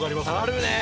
あるね。